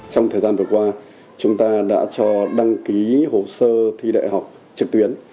trong thời gian vừa qua chúng ta đã cho đăng ký hồ sơ thi đại học trực tuyến